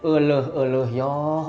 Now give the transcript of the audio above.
uluh uluh yoh